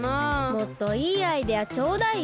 もっといいアイデアちょうだいよ。